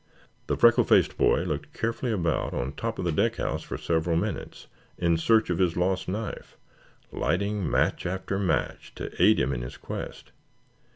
The freckle faced boy looked carefully about on top of the deck house for several minutes, in search of his lost knife, lighting match after match to aid him in his quest.